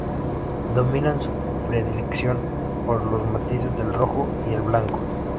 Dominan su predilección por los matices del rojo y el blanco.